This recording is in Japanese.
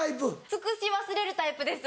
尽くし忘れるタイプです